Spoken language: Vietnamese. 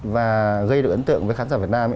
và gây được ấn tượng với khán giả việt nam